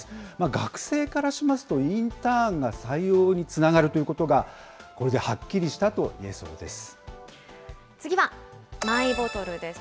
学生からしますと、インターンが採用につながるということが、これではっきりしたといえそうです。